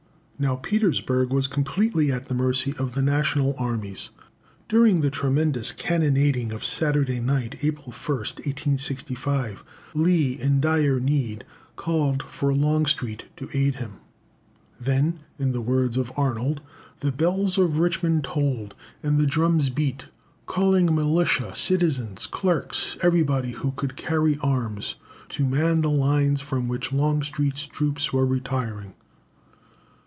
Now Petersburg was completely at the mercy of the national armies. During the tremendous cannonading of Saturday night, April 1st, 1865, Lee, in dire need, called for Longstreet to aid him. "Then," in the words of Arnold, "the bells of Richmond tolled, and the drums beat, calling militia, citizens, clerks, everybody who could carry arms, to man the lines from which Longstreet's troops were retiring."